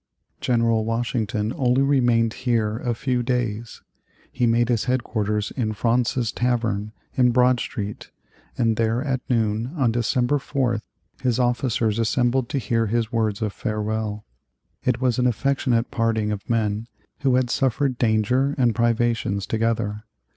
General Washington only remained here a few days. He made his head quarters in Fraunces's Tavern, in Broad Street, and there at noon on December 4th, his officers assembled to hear his words of farewell. It was an affectionate parting of men who had suffered danger and privations together.